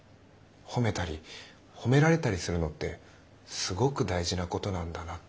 褒めたり褒められたりするのってすごく大事なことなんだなって。